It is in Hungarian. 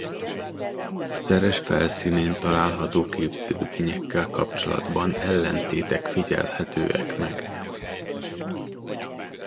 A Ceres felszínén található képződményekkel kapcsolatban ellentétek figyelhetőek meg.